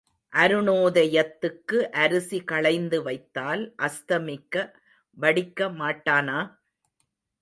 அருணோதயத்துக்கு அரிசி களைந்து வைத்தால் அஸ்தமிக்க வடிக்க மாட்டேனா?